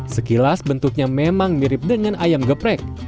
sekilas bentuknya memang mirip dengan ayam geprek